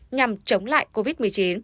nhằm chống lại covid một mươi chín